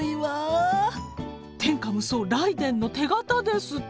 天下無双雷電の手形ですって。